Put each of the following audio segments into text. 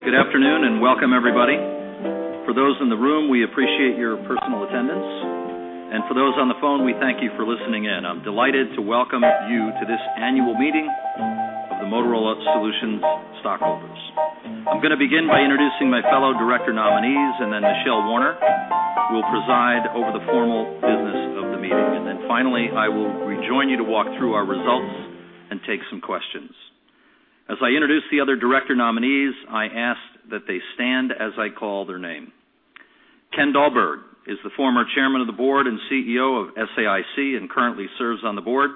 Good afternoon, and welcome, everybody. For those in the room, we appreciate your personal attendance, and for those on the phone, we thank you for listening in. I'm delighted to welcome you to this Annual Meeting of the Motorola Solutions Stockholders. I'm going to begin by introducing my fellow director nominees, and then Michelle Warner will preside over the formal business of the meeting. And then finally, I will rejoin you to walk through our results and take some questions. As I introduce the other director nominees, I ask that they stand as I call their name. Ken Dahlberg is the former chairman of the board and CEO of SAIC and currently serves on the board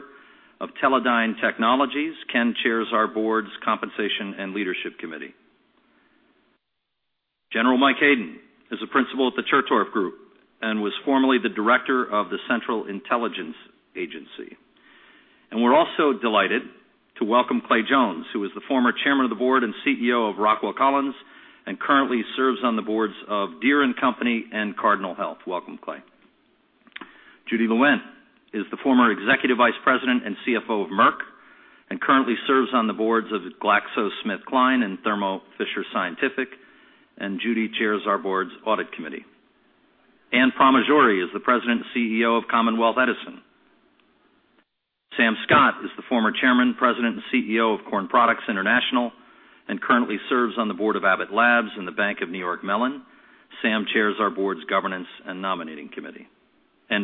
of Teledyne Technologies. Ken chairs our board's Compensation and Leadership Committee. General Mike Hayden is a principal at the Chertoff Group and was formerly the director of the Central Intelligence Agency. We're also delighted to welcome Clay Jones, who is the former chairman of the board and CEO of Rockwell Collins, and currently serves on the boards of Deere & Company and Cardinal Health. Welcome, Clay. Judy Lewent is the former Executive Vice President and CFO of Merck, and currently serves on the boards of GlaxoSmithKline and Thermo Fisher Scientific, and Judy chairs our board's Audit Committee. Anne Pramaggiore is the President and CEO of Commonwealth Edison. Sam Scott is the former chairman, president, and CEO of Corn Products International, and currently serves on the board of Abbott Labs and the Bank of New York Mellon. Sam chairs our board's Governance and Nominating Committee.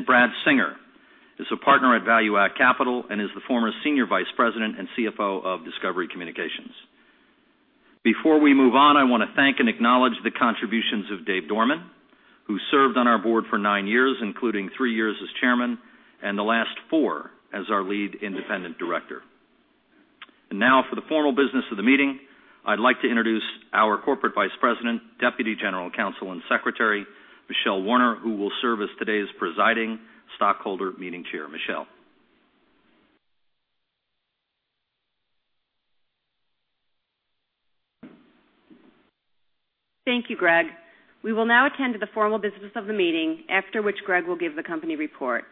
Brad Singer is a partner at ValueAct Capital and is the former Senior Vice President and CFO of Discovery Communications. Before we move on, I want to thank and acknowledge the contributions of Dave Dorman, who served on our board for nine years, including three years as Chairman and the last four as our Lead Independent Director. Now, for the formal business of the meeting, I'd like to introduce our Corporate Vice President, Deputy General Counsel, and Secretary, Michelle Warner, who will serve as today's presiding stockholder meeting chair. Michelle? Thank you, Greg. We will now attend to the formal business of the meeting, after which Greg will give the company report.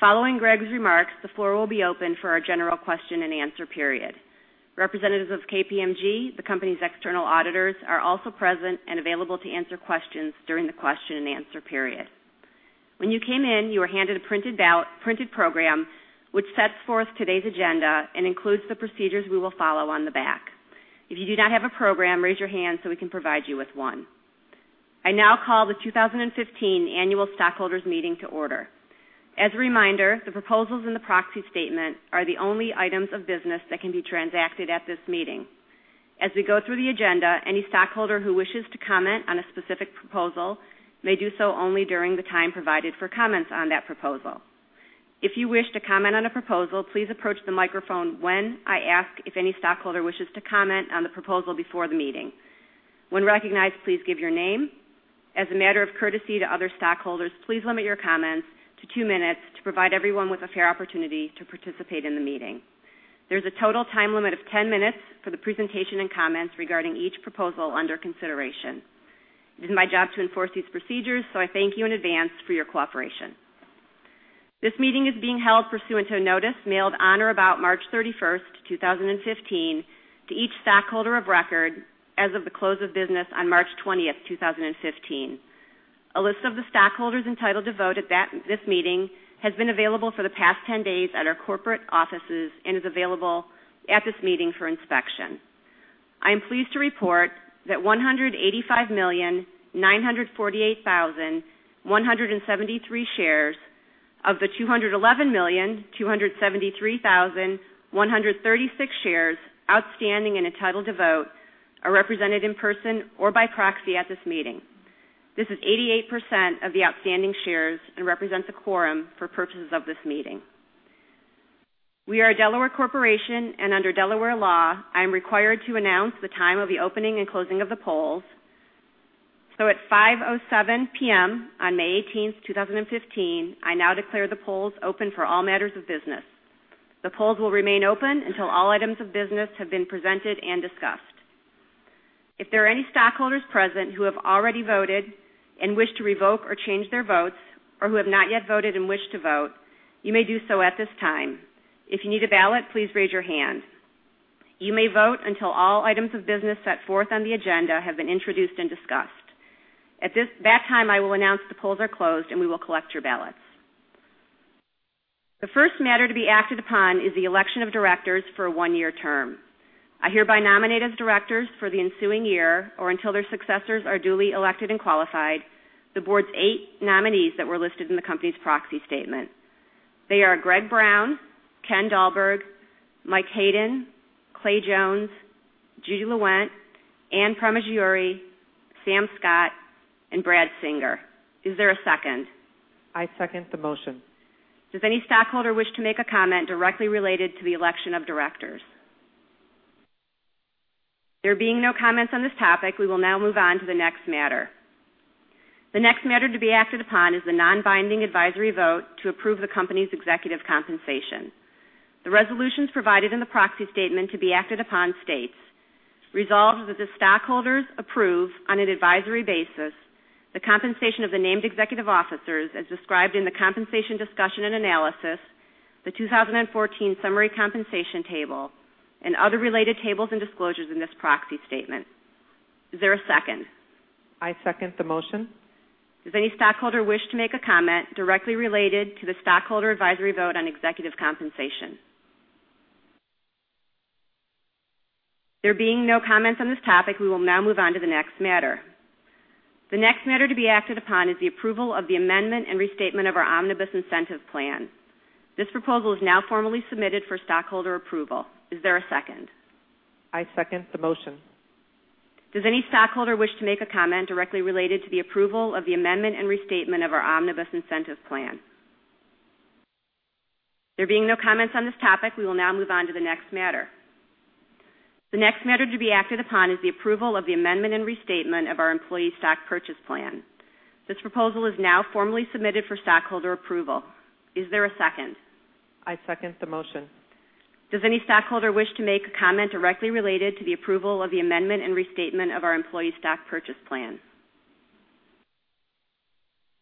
Following Greg's remarks, the floor will be open for our general question-and-answer period. Representatives of KPMG, the company's external auditors, are also present and available to answer questions during the question-and-answer period. When you came in, you were handed a printed program, which sets forth today's agenda and includes the procedures we will follow on the back. If you do not have a program, raise your hand so we can provide you with one. I now call the 2015 Annual Stockholders Meeting to order. As a reminder, the proposals in the proxy statement are the only items of business that can be transacted at this meeting. As we go through the agenda, any stockholder who wishes to comment on a specific proposal may do so only during the time provided for comments on that proposal. If you wish to comment on a proposal, please approach the microphone when I ask if any stockholder wishes to comment on the proposal before the meeting. When recognized, please give your name. As a matter of courtesy to other stockholders, please limit your comments to two minutes to provide everyone with a fair opportunity to participate in the meeting. There's a total time limit of 10 minutes for the presentation and comments regarding each proposal under consideration. It is my job to enforce these procedures, so I thank you in advance for your cooperation. This meeting is being held pursuant to a notice mailed on or about March 31st, 2015, to each stockholder of record as of the close of business on March 20th, 2015. A list of the stockholders entitled to vote at this meeting has been available for the past 10 days at our corporate offices and is available at this meeting for inspection. I am pleased to report that 185,948,173 shares of the 211,273,136 shares outstanding and entitled to vote are represented in person or by proxy at this meeting. This is 88% of the outstanding shares and represents a quorum for purposes of this meeting. We are a Delaware corporation, and under Delaware law, I am required to announce the time of the opening and closing of the polls. So at 5:07 P.M. on May 18th, 2015, I now declare the polls open for all matters of business. The polls will remain open until all items of business have been presented and discussed. If there are any stockholders present who have already voted and wish to revoke or change their votes, or who have not yet voted and wish to vote, you may do so at this time. If you need a ballot, please raise your hand. You may vote until all items of business set forth on the agenda have been introduced and discussed. At that time, I will announce the polls are closed, and we will collect your ballots. The first matter to be acted upon is the election of directors for a one-year term. I hereby nominate as directors for the ensuing year, or until their successors are duly elected and qualified, the board's eight nominees that were listed in the company's proxy statement. They are Greg Brown, Ken Dahlberg, Mike Hayden, Clay Jones, Judy Lewent, Anne Pramaggiore, Sam Scott, and Brad Singer. Is there a second? I second the motion. Does any stockholder wish to make a comment directly related to the election of directors? There being no comments on this topic, we will now move on to the next matter. The next matter to be acted upon is the non-binding advisory vote to approve the company's executive compensation. The resolutions provided in the proxy statement to be acted upon states, "Resolved that the stockholders approve, on an advisory basis, the compensation of the named executive officers as described in the compensation discussion and analysis. The 2014 summary compensation table and other related tables and disclosures in this proxy statement." Is there a second? I second the motion. Does any stockholder wish to make a comment directly related to the stockholder advisory vote on executive compensation? There being no comments on this topic, we will now move on to the next matter. The next matter to be acted upon is the approval of the amendment and restatement of our Omnibus Incentive Plan. This proposal is now formally submitted for stockholder approval. Is there a second? I second the motion. Does any stockholder wish to make a comment directly related to the approval of the amendment and restatement of our Omnibus Incentive Plan? There being no comments on this topic, we will now move on to the next matter. The next matter to be acted upon is the approval of the amendment and restatement of our Employee Stock Purchase Plan. This proposal is now formally submitted for stockholder approval. Is there a second? I second the motion. Does any stockholder wish to make a comment directly related to the approval of the amendment and restatement of our Employee Stock Purchase Plan?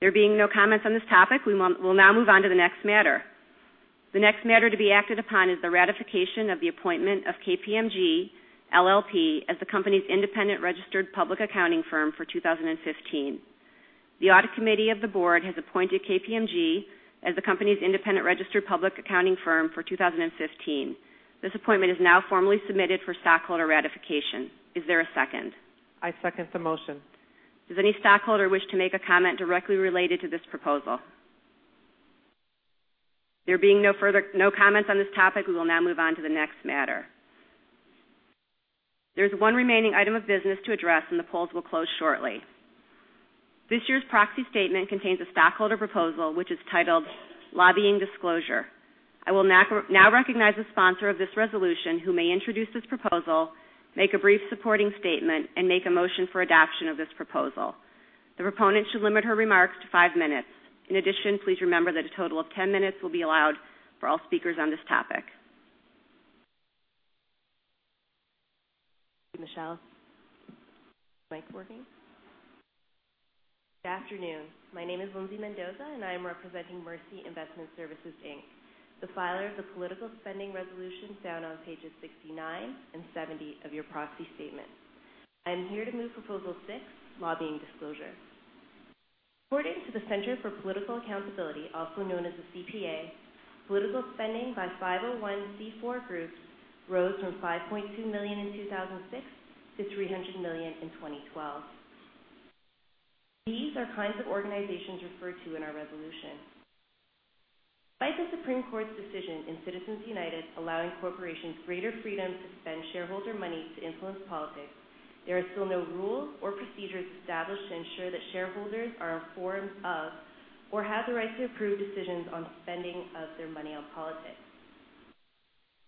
There being no comments on this topic, we will now move on to the next matter. The next matter to be acted upon is the ratification of the appointment of KPMG LLP as the company's independent registered public accounting firm for 2015. The Audit Committee of the board has appointed KPMG as the company's independent registered public accounting firm for 2015. This appointment is now formally submitted for stockholder ratification. Is there a second? I second the motion. Does any stockholder wish to make a comment directly related to this proposal? There being no comments on this topic, we will now move on to the next matter. There's one remaining item of business to address, and the polls will close shortly. This year's Proxy Statement contains a stockholder proposal, which is titled Lobbying Disclosure. I will now recognize the sponsor of this resolution, who may introduce this proposal, make a brief supporting statement, and make a motion for adoption of this proposal. The proponent should limit her remarks to five minutes. In addition, please remember that a total of 10 minutes will be allowed for all speakers on this topic. Michelle, mic working? Good afternoon. My name is Lindsay Mendoza, and I am representing Mercy Investment Services, Inc. The filer of the political spending resolution found on pages 69 and 70 of your proxy statement. I am here to move Proposal Six, Lobbying Disclosure. According to the Center for Political Accountability, also known as the CPA, political spending by 501(c)(4) groups rose from $5.2 million in 2006 to $300 million in 2012. These are kinds of organizations referred to in our resolution. Despite the Supreme Court's decision in Citizens United, allowing corporations greater freedom to spend shareholder money to influence politics, there are still no rules or procedures established to ensure that shareholders are informed of or have the right to approve decisions on spending of their money on politics.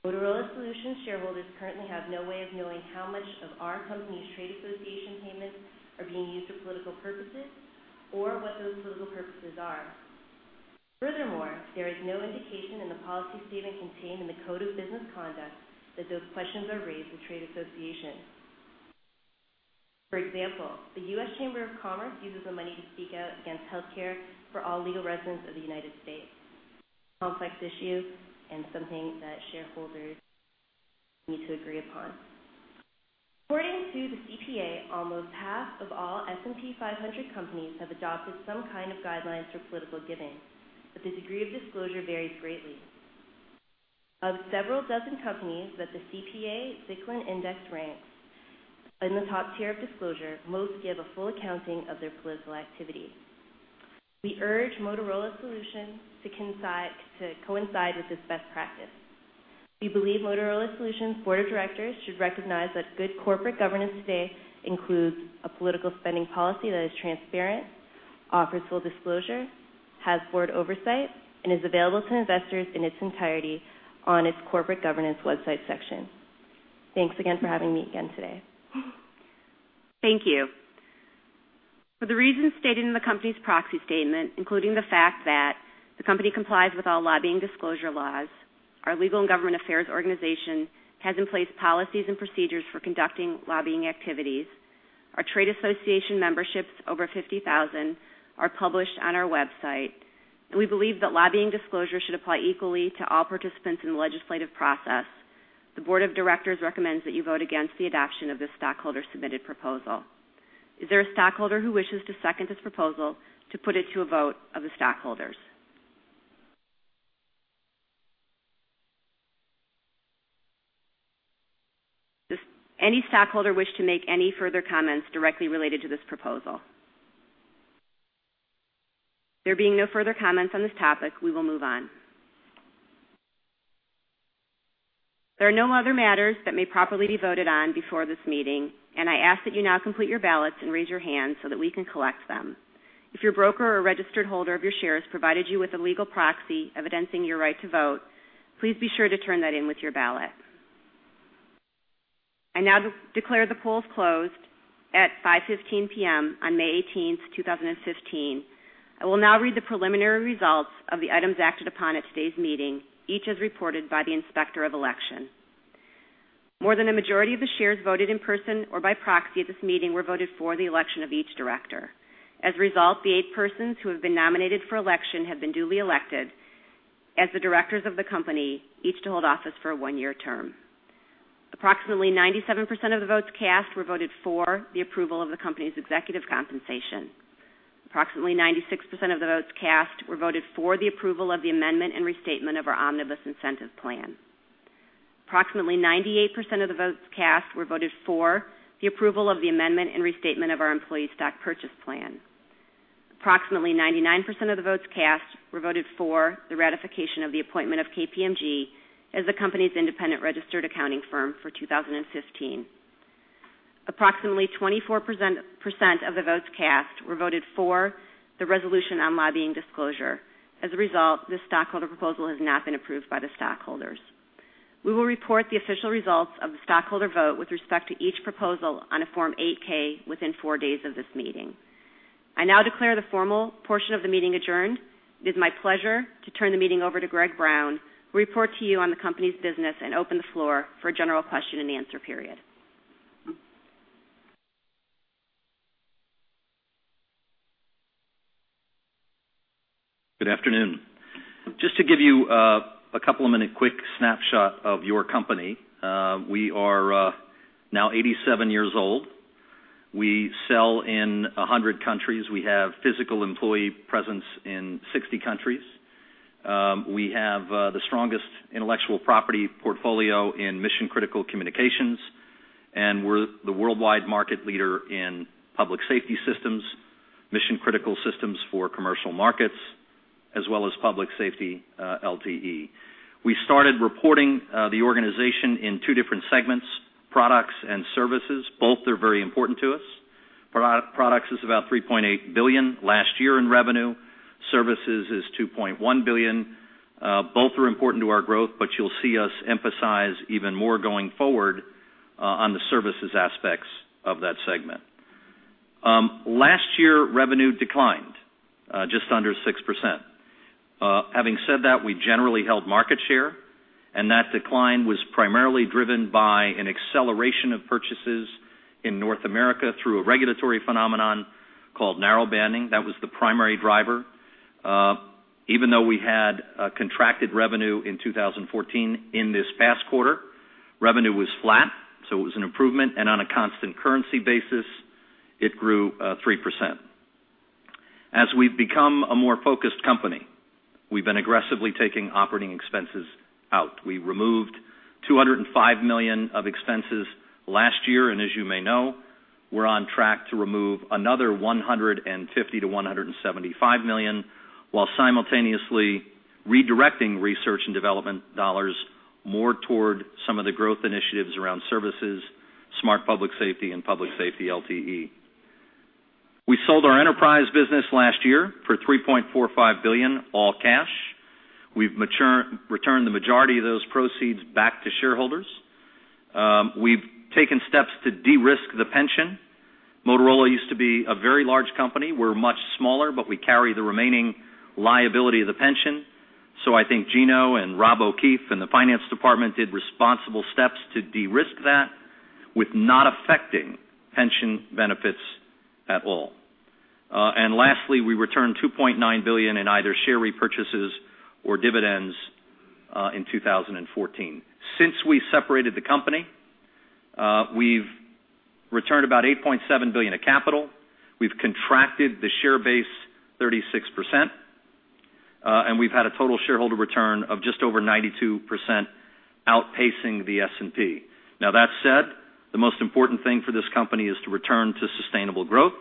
Motorola Solutions shareholders currently have no way of knowing how much of our company's trade association payments are being used for political purposes or what those political purposes are. Furthermore, there is no indication in the policy statement contained in the Code of Business Conduct that those questions are raised with trade associations. For example, the U.S. Chamber of Commerce uses the money to speak out against healthcare for all legal residents of the United States. Complex issue and something that shareholders need to agree upon. According to the CPA, almost half of all S&P 500 companies have adopted some kind of guidelines for political giving, but the degree of disclosure varies greatly. Of several dozen companies that the CPA Zicklin Index ranks in the top tier of disclosure, most give a full accounting of their political activity. We urge Motorola Solutions to coincide with this best practice. We believe Motorola Solutions' Board of Directors should recognize that good corporate governance today includes a political spending policy that is transparent, offers full disclosure, has board oversight, and is available to investors in its entirety on its corporate governance website section. Thanks again for having me again today. Thank you. For the reasons stated in the company's Proxy Statement, including the fact that the company complies with all lobbying disclosure laws, our Legal and Government Affairs organization has in place policies and procedures for conducting lobbying activities. Our trade association memberships, over 50,000, are published on our website, and we believe that lobbying disclosure should apply equally to all participants in the legislative process. The board of directors recommends that you vote against the adoption of this stockholder-submitted proposal. Is there a stockholder who wishes to second this proposal to put it to a vote of the stockholders? Does any stockholder wish to make any further comments directly related to this proposal? There being no further comments on this topic, we will move on. There are no other matters that may properly be voted on before this meeting, and I ask that you now complete your ballots and raise your hands so that we can collect them. If your broker or registered holder of your shares provided you with a legal proxy evidencing your right to vote, please be sure to turn that in with your ballot. I now declare the polls closed at 5:15 P.M. on May 18th, 2015. I will now read the preliminary results of the items acted upon at today's meeting, each as reported by the Inspector of Election. More than a majority of the shares voted in person or by proxy at this meeting were voted for the election of each director. As a result, the 8 persons who have been nominated for election have been duly elected as the directors of the company, each to hold office for a one-year term. Approximately 97% of the votes cast were voted for the approval of the company's executive compensation. Approximately 96% of the votes cast were voted for the approval of the amendment and restatement of our Omnibus Incentive Plan. Approximately 98% of the votes cast were voted for the approval of the amendment and restatement of our employee stock purchase plan. Approximately 99% of the votes cast were voted for the ratification of the appointment of KPMG as the company's independent registered accounting firm for 2015. Approximately 24% of the votes cast were voted for the resolution on lobbying disclosure. As a result, this stockholder proposal has not been approved by the stockholders. We will report the official results of the stockholder vote with respect to each proposal on a Form 8-K within four days of this meeting. I now declare the formal portion of the meeting adjourned. It is my pleasure to turn the meeting over to Greg Brown, who will report to you on the company's business and open the floor for a general question-and-answer period. Good afternoon. Just to give you a couple of minutes quick snapshot of your company, we are now 87 years old. We sell in 100 countries. We have physical employee presence in 60 countries. We have the strongest intellectual property portfolio in mission-critical communications, and we're the worldwide market leader in public safety systems, mission-critical systems for commercial markets, as well as public safety LTE. We started reporting the organization in two different segments, products and services. Both are very important to us. Products is about $3.8 billion last year in revenue. Services is $2.1 billion. Both are important to our growth, but you'll see us emphasize even more going forward on the services aspects of that segment. Last year, revenue declined just under 6%. Having said that, we generally held market share, and that decline was primarily driven by an acceleration of purchases in North America through a regulatory phenomenon called narrowbanding. That was the primary driver. Even though we had a contracted revenue in 2014, in this past quarter, revenue was flat, so it was an improvement, and on a constant currency basis, it grew 3%. As we've become a more focused company, we've been aggressively taking operating expenses out. We removed $205 million of expenses last year, and as you may know, we're on track to remove another $150 million-$175 million, while simultaneously redirecting research and development dollars more toward some of the growth initiatives around services, Smart Public Safety, and Public Safety LTE. We sold our enterprise business last year for $3.45 billion, all cash. We've returned the majority of those proceeds back to shareholders. We've taken steps to de-risk the pension. Motorola used to be a very large company. We're much smaller, but we carry the remaining liability of the pension. So I think Gino and Rob O'Keefe and the finance department did responsible steps to de-risk that with not affecting pension benefits at all. And lastly, we returned $2.9 billion in either share repurchases or dividends in 2014. Since we separated the company, we've returned about $8.7 billion of capital. We've contracted the share base 36%, and we've had a total shareholder return of just over 92%, outpacing the S&P. Now, that said, the most important thing for this company is to return to sustainable growth,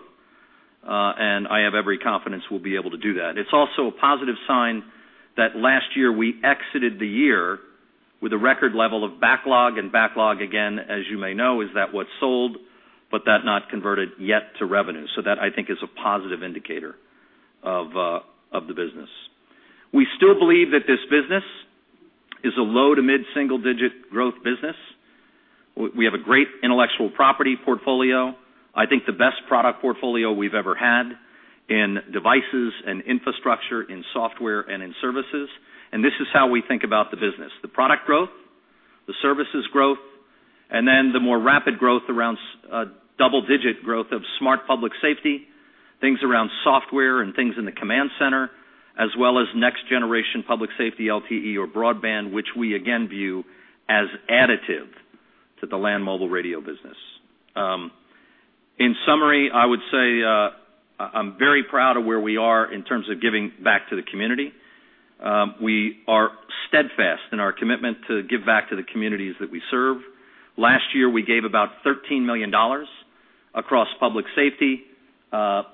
and I have every confidence we'll be able to do that. It's also a positive sign that last year, we exited the year with a record level of backlog, and backlog, again, as you may know, is that what's sold, but that not converted yet to revenue. So that, I think, is a positive indicator of the business. We still believe that this business is a low-to-mid single-digit growth business. We have a great intellectual property portfolio. I think the best product portfolio we've ever had in devices and infrastructure, in software and in services, and this is how we think about the business, the product growth, the services growth, and then the more rapid growth around double-digit growth of Smart Public Safety, things around software and things in the Command Center, as well as next-generation Public Safety LTE or broadband, which we again view as additive to the Land Mobile Radio business. In summary, I would say, I'm very proud of where we are in terms of giving back to the community. We are steadfast in our commitment to give back to the communities that we serve. Last year, we gave about $13 million across public safety,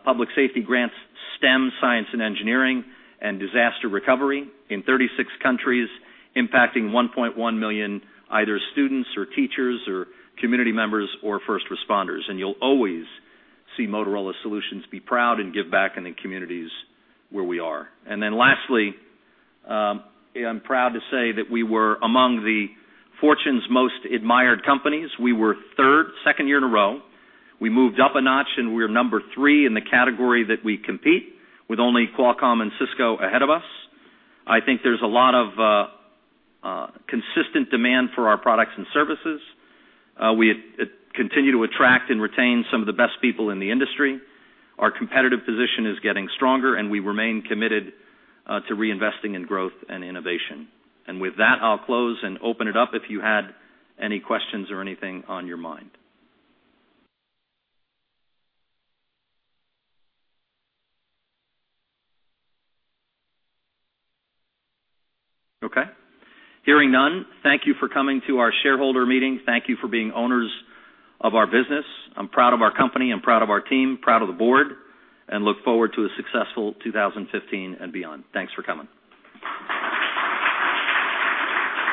public safety grants, STEM, science and engineering, and disaster recovery in 36 countries, impacting 1.1 million, either students or teachers or community members or first responders. You'll always see Motorola Solutions be proud and give back in the communities where we are. Then lastly, I'm proud to say that we were among the Fortune's Most Admired Companies. We were third, second year in a row. We moved up a notch, and we're number three in the category that we compete, with only Qualcomm and Cisco ahead of us. I think there's a lot of consistent demand for our products and services. We continue to attract and retain some of the best people in the industry. Our competitive position is getting stronger, and we remain committed to reinvesting in growth and innovation. With that, I'll close and open it up if you had any questions or anything on your mind. Okay, hearing none, thank you for coming to our shareholder meeting. Thank you for being owners of our business. I'm proud of our company, I'm proud of our team, proud of the board, and look forward to a successful 2015 and beyond. Thanks for coming.